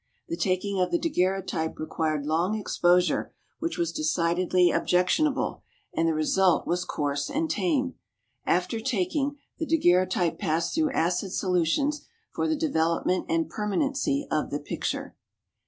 The taking of the daguerreotype required long exposure, which was decidedly objectionable, and the result was coarse and tame. After taking, the daguerreotype passed through acid solutions for the development and permanency of the picture.